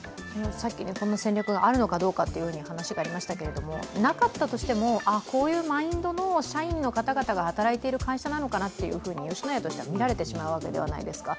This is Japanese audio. この戦略があるのかという話がありましたけどなかったとしても、こういうマインドの社員の方々が働いている会社なのかなと、吉野家としては見られてしまうわけじゃないですか。